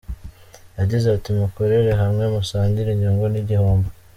Yagize ati “ Mukorere hamwe musangire inyungu n’igihombo.